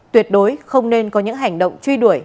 tuyệt đối không nên có những hành động truy đuổi